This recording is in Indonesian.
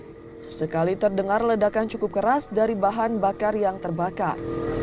sesekali terdengar ledakan cukup keras dari bahan bakar yang terbakar